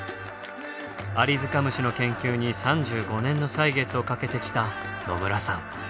アリヅカムシの研究に３５年の歳月をかけてきた野村さん。